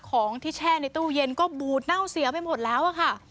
ของที่แช่ในตู้เย็นก็บูดเน่าเสียไปหมดแล้วอะค่ะ